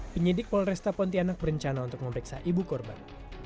penyidik polresta pontianak berencana untuk memeriksa ibu korban